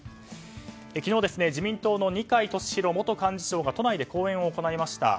昨日、自民党の二階俊博元幹事長が都内で講演を行いました。